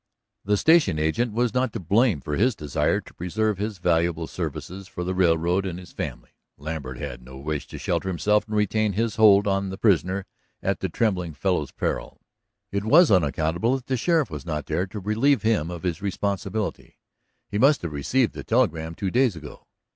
The station agent was not to blame for his desire to preserve his valuable services for the railroad and his family; Lambert had no wish to shelter himself and retain his hold on the prisoner at the trembling fellow's peril. It was unaccountable that the sheriff was not there to relieve him of this responsibility; he must have received the telegram two days ago.